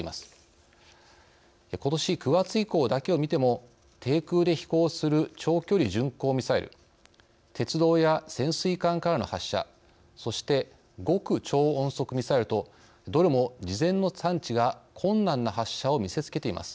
ことし９月以降だけをみても低空で飛行する長距離巡航ミサイル鉄道や潜水艦からの発射そして極超音速ミサイルとどれも事前の探知が困難な発射を見せつけています。